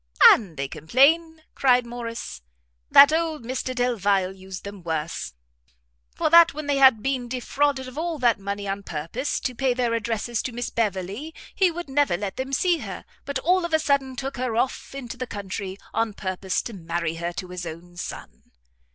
"And they complain," cried Morrice, "that old Mr Delvile used them worse; for that when they had been defrauded of all that money on purpose to pay their addresses to Miss Beverley, he would never let them see her, but all of a sudden took her off into the country, on purpose to marry her to his own son."